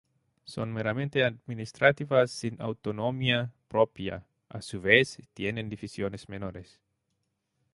Son meramente administrativas sin autonomía propia; a su vez, tienen divisiones menores.